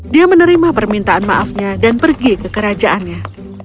dia menerima permintaan maafnya dan pergi ke kerajaannya